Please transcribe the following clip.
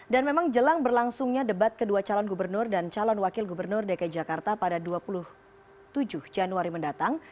dan memang jelang berlangsungnya debat kedua calon gubernur dan calon wakil gubernur dki jakarta pada dua puluh tujuh januari mendatang